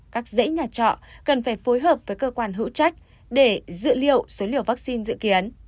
các dãy nhà trọ cần phải phối hợp với cơ quan hữu trách để dự liệu số liều vaccine dự kiến